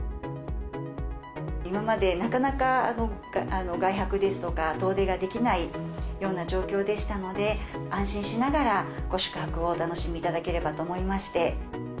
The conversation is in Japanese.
今まで、なかなか外泊ですとか遠出ができないような状況でしたので、安心しながら、ご宿泊をお楽しみいただければと思いまして。